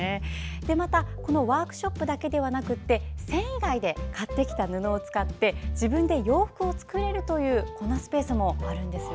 また、ワークショップだけでなく繊維街で買ってきた布を使って自分で洋服を作れるスペースもあるんですよ。